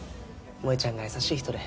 萌ちゃんが優しい人で。